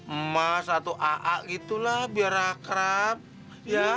emah satu aa gitu lah biar akrab ya